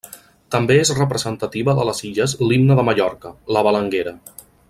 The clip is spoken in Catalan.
També és representativa de les Illes l'himne de Mallorca, la Balanguera.